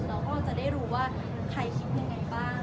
เราก็จะได้รู้ว่าใครคิดยังไงบ้าง